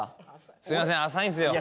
すいません浅いんすよ。